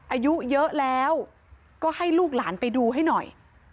อายุเยอะแล้วก็ให้ลูกหลานไปดูให้หน่อย